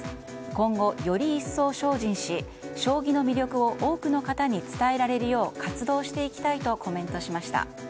今後より一層精進し将棋の魅力を多くの方に伝えられるよう活動していきたいとコメントしました。